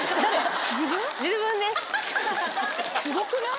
すごくない？